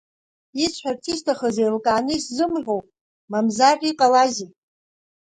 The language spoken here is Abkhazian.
Исҳәарц исҭахыз еилкааны исзымҳәоу, мамзар, иҟалазеи?